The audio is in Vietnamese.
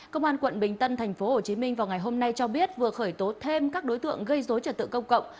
công an quận bình tân tp hcm vào ngày hôm nay cho biết vừa khởi tố thêm các đối tượng gây dối trật tự công cộng